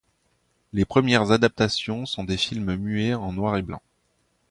Les premières adaptations sont des films muets en noir et blanc.